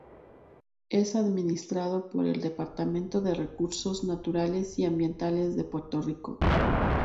Es administrado por el Departamento de Recursos Naturales y Ambientales de Puerto Rico.